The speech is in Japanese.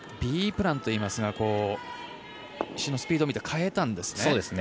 Ｂプランといいますが石のスピードを見て変えたんですね。